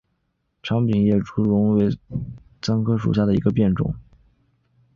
长柄竹叶榕为桑科榕属下的一个变种。